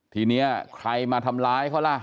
ทีนี้ใครมาทำร้ายเขาล่ะ